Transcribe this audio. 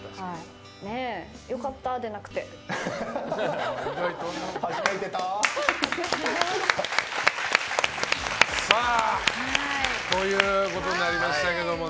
良かった、出なくて。ということになりましたけどね。